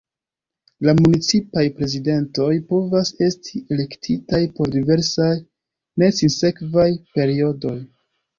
La municipaj prezidentoj povas esti elektitaj por diversaj ne sinsekvaj periodoj.